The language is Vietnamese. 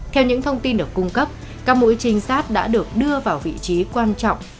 theo những thông tin được cung cấp các mũi chính xác đã được đưa vào vị trí quan trọng